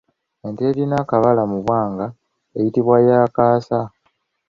Ente erina akabala mu bwanga eyitibwa ya Kaasa.